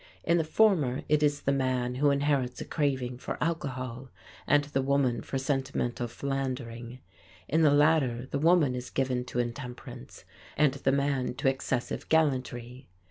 In the former it is the man who inherits a craving for alcohol, and the woman for sentimental philandering; in the latter the woman is given to intemperance and the man to excessive gallantry.